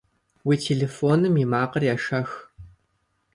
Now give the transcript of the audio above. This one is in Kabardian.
Уи телефоным и макъыр ешэх!